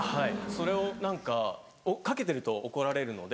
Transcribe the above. それを何か掛けてると怒られるので。